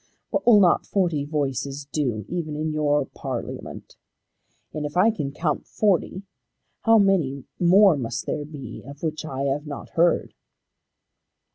What will not forty voices do even in your Parliament? And if I can count forty, how many more must there be of which I have not heard?"